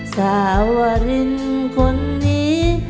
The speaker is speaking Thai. สาววรินคนนี้